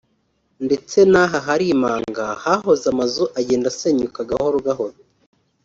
ndetse n’aha hari imanga hahoze amazu agenda asenyuka gahoro gahoro